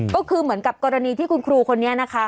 ก็คือเหมือนกับกรณีที่คุณครูคนนี้นะคะ